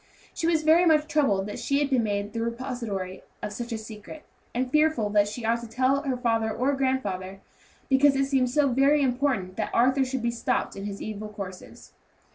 She was very much troubled that she had been made the repository of such a secret, and fearful that she ought to tell her father or grandfather, because it seemed so very important that Arthur should be stopped in his evil courses.